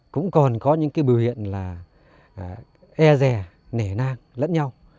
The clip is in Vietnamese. cũng còn có những cái biểu hiện là e rè nang lẫn nhau